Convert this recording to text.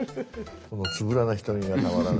このつぶらな瞳がたまらない。